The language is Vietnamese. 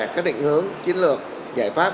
các định hướng chiến lược giải pháp